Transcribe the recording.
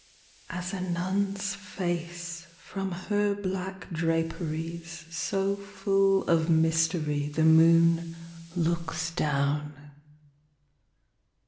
AS a nun's face from her black draperies So full of mystery the moon looks down.